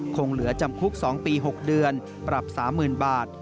คงเหลือจำคุก๒ปี๖เดือนปรับ๓๐๐๐บาท